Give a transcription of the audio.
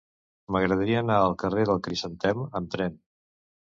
M'agradaria anar al carrer del Crisantem amb tren.